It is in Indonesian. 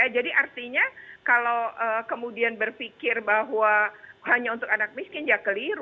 jadi artinya kalau kemudian berpikir bahwa hanya untuk anak miskin ya keliru